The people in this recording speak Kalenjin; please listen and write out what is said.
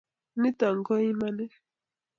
Nito ko imanit